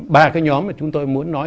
ba cái nhóm mà chúng tôi muốn nói